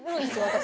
私。